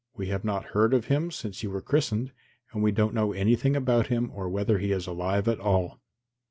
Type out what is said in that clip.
We have not heard of him since you were christened and we don't know anything about him, or whether he is alive at all.